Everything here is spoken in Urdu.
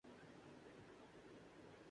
اس دفعہ میں نے بہت سارے گرمیوں کے کپڑے بنائے